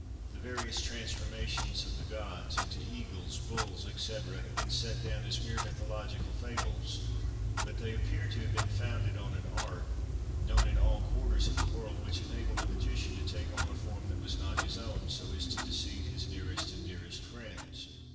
The various transformations of the gods into eagles, bulls, &c., have been set down as mere mythological fables; but they appear to have been founded on an art, known in all quarters of the world, which enabled the magician to take on a form that was not his own, so as to deceive his nearest and dearest friends.